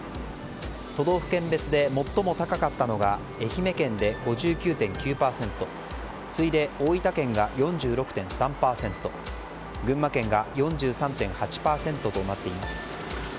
都道府県別で最も高かったのが愛媛県で５９．９％次いで大分県が４６．３％群馬県が４３．８％となっています。